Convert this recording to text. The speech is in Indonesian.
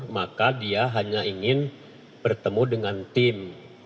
maka dia hanya ingin bertemu dengan tim